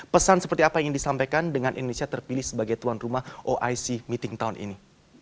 pesan seperti apa yang ingin disampaikan dengan indonesia terpilih sebagai tuan rumah oic meeting tahun ini